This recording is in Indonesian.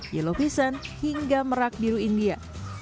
yellow pisan hingga merak biru india